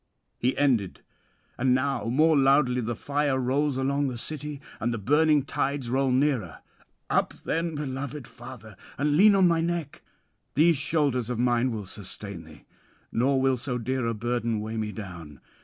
'He ended; and now more loudly the fire roars along the city, and the burning tides roll nearer. "Up then, beloved father, and lean on my neck; these shoulders of mine will sustain thee, nor will so dear a burden weigh me down.